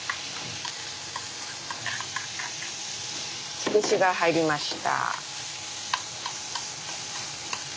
つくしが入りました。